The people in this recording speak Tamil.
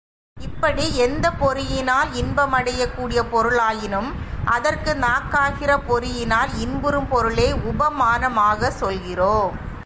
இப்படி, எந்தப் பொறியினால் இன்பம் அடையக் கூடிய பொருளாயினும் அதற்கு நாக்காகிற பொறியினால் இன்புறும் பொருளை உபமானமாகச் சொல்கிறோம்.